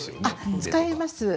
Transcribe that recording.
使えます。